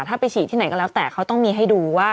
ถ้าไปฉีดที่ไหนก็แล้วแต่เขาต้องมีให้ดูว่า